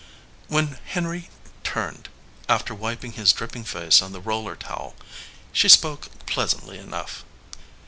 When Henry turned, after wiping his dripping face on the roller towel, she spoke pleasantly enough.